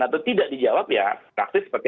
atau tidak dijawab ya praktis seperti